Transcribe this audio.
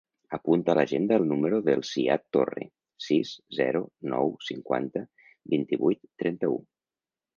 Apunta a l'agenda el número del Ziad Torre: sis, zero, nou, cinquanta, vint-i-vuit, trenta-u.